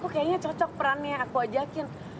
kok kayaknya cocok perannya aku ajakin